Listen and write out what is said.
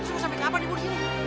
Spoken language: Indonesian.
susah sampe kapan ibu di sini